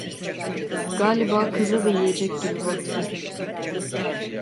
Galiba kıza da yiyecek gibi baktım.